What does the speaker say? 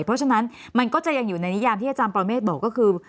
เพราะฉะนั้นมันก็จะยังอยู่ในนิยามที่อาจารย์ปรเมฆบอกก็คือ